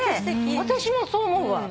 私もそう思うわ。